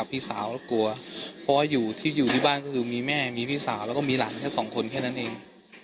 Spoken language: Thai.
เพราะว่าอยู่ที่บ้านก็คือมีแม่มีพี่สาวแล้วก็มีหลานเท่า๒คนแค่นั้นเอง